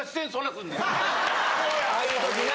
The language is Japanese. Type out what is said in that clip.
ああいう時な。